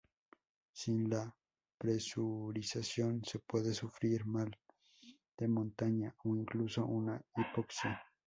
Sin la presurización se puede sufrir mal de montaña o incluso una hipoxia.